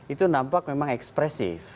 itu nampak memang ekspresif